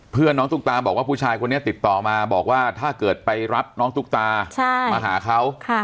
เพื่อนน้องตุ๊กตาบอกว่าผู้ชายคนนี้ติดต่อมาบอกว่าถ้าเกิดไปรับน้องตุ๊กตามาหาเขา